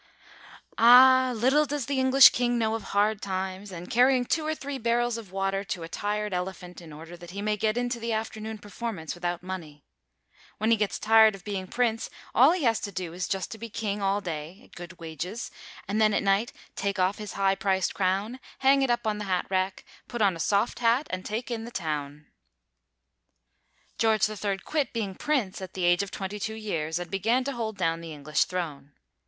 Ah, little does the English king know of hard times and carrying two or three barrels of water to a tired elephant in order that he may get into the afternoon performance without money. When he gets tired of being prince, all he has to do is just to be king all day at good wages, and then at night take off his high priced crown, hang it up on the hat rack, put on a soft hat and take in the town. George III quit being prince at the age of 22 years, and began to hold down the English throne.